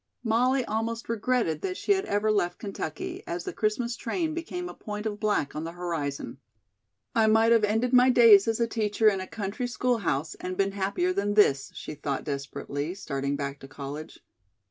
Molly almost regretted that she had ever left Kentucky, as the Christmas train became a point of black on the horizon. "I might have ended my days as a teacher in a country school house and been happier than this," she thought desperately, starting back to college.